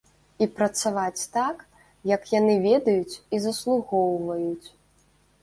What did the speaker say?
І працаваць так, як яны ведаюць і заслугоўваюць.